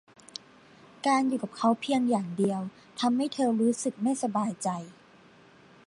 การอยู่กับเขาเพียงอย่างเดียวทำให้เธอรู้สึกไม่สบายใจ